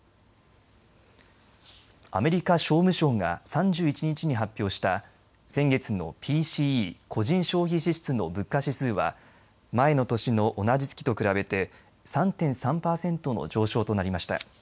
アメリカ商務省が３１日に発表した先月のＰＣＥ、個人消費支出の物価指数は前の年の同じ月と比べて３．３パーセントの上昇となりました。